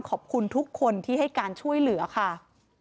ขอบคุณทุกคนที่ให้การช่วยเหลือค่ะ